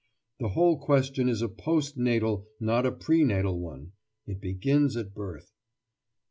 The whole question is a post natal, not a prenatal one; it begins at birth.